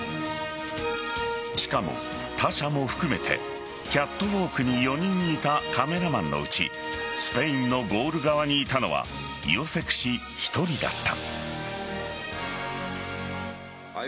しかも、他社も含めてキャットウォークに４人いたカメラマンのうちスペインのゴール側にいたのはヨセク氏１人だった。